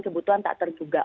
kebutuhan tak terjuga